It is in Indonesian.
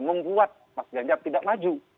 membuat mas ganjar tidak maju